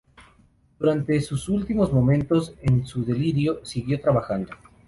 Durante sus últimos momentos en su delirio, siguió trabajando.